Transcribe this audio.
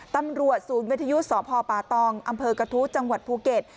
ตำรวจศูนย์วิทยุสพป่าตองอำเภอกระทู้จังหวัดภูเก็ต